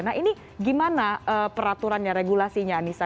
nah ini gimana peraturannya regulasinya anissa